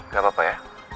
gak apa apa ya